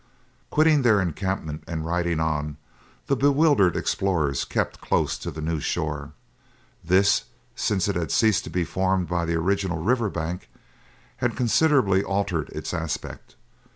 Quitting their encampment and riding on, the bewildered explorers kept close to the new shore. This, since it had ceased to be formed by the original river bank, had considerably altered its aspect.